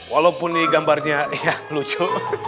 walaupun ini gambarnya lucu